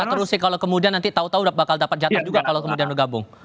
enggak terusik kalau kemudian nanti tau tau bakal dapat jatah juga kalau kemudian bergabung